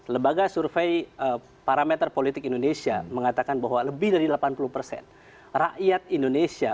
lembaga survei parameter politik indonesia mengatakan bahwa lebih dari delapan puluh persen rakyat indonesia